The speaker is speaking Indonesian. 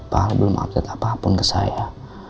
pak belum update apapun ke saya